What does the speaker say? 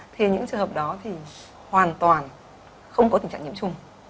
thì những trường hợp đó thì hoàn toàn không có tình trạng nhiễm trùng